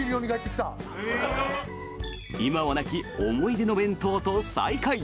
今はなき思い出の弁当と再会。